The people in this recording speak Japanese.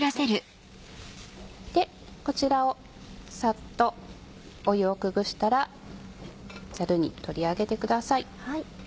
でこちらをさっと湯をくぐらせたらざるに取り上げてください。